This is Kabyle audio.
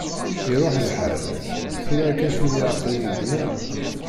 Iruḥ lḥal, tura akka tili aql-iyi gneɣ.